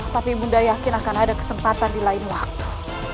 tapi bunda yakin akan ada kesempatan di lain waktu